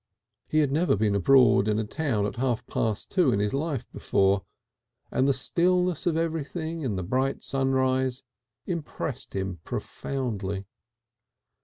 He had never been abroad in a town at half past two in his life before, and the stillness of everything in the bright sunrise impressed him profoundly.